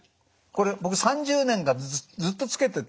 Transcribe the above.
これ僕３０年間ずっとつけてて。